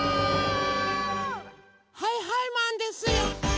はいはいマンですよ！